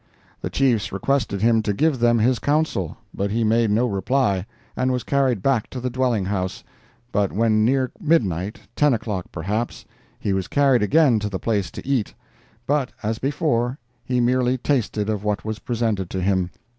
The chiefs requested him to give them his counsel; but he made no reply, and was carried back to the dwelling house—but when near midnight—ten o'clock, perhaps—he was carried again to the place to eat; but, as before, he merely tasted of what was presented to him.